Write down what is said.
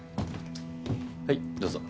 はいどうぞ。